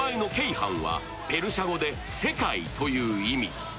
帆はペルシャ語で世界という意味。